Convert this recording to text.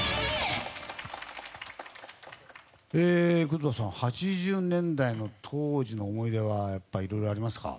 工藤さん、８０年代の当時の思い出は、やっぱりいろいろありますか？